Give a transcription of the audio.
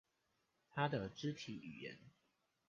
他的肢體語言